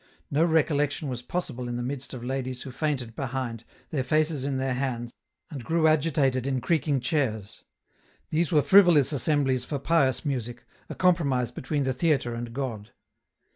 No recollection was possible in the midst of ladies who fainted behind, their faces in their hands, and grew 264 EN ROUTE. agitated in creaking chairs. These were frivolous assemblies for pious music, a compromise between the theatre and God.